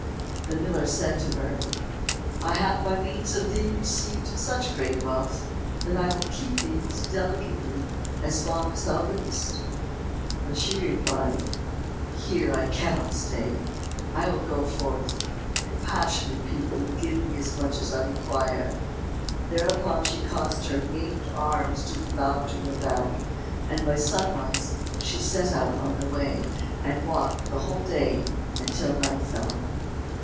The miller said to her, "I have by means of thee received such great wealth that I will keep thee most delicately as long as thou livest." But she replied, "Here I cannot stay, I will go forth, compassionate people will give me as much as I require." Thereupon she caused her maimed arms to be bound to her back, and by sunrise she set out on her way, and walked the whole day until night fell.